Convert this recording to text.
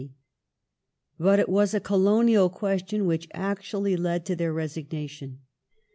But it was a Colonial question which actually led to their resigna tion.